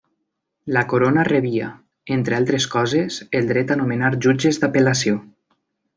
La Corona rebia, entre altres coses, el dret a nomenar jutges d'apel·lació.